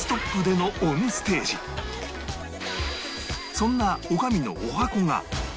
そんな女将の十八番が